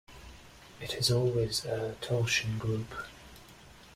It is always a torsion group.